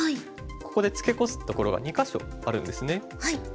ここでツケコすところが２か所あるんですね。